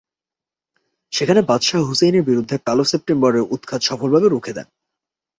সেখানে বাদশাহ হুসাইনের বিরুদ্ধে কালো সেপ্টেম্বরে উৎখাত সফলভাবে রুখে দেন।